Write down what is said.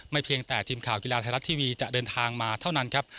เพียงแต่ทีมข่าวกีฬาไทยรัฐทีวีจะเดินทางมาเท่านั้นครับ